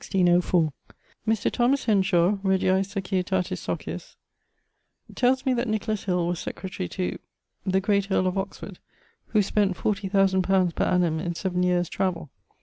Mr. Thomas Henshawe, Regiae Societatis Socius, tells me that Nicholas Hill was secretary to ..., the great earle of Oxford, who spent fourty thousand pounds per annum in seaven yeares travell.